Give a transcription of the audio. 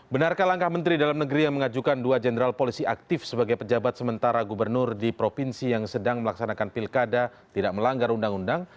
benarkah langkah menteri dalam negeri yang mengajukan dua jenderal polisi aktif sebagai pejabat sementara gubernur di provinsi yang sedang melaksanakan pilkada tidak melanggar undang undang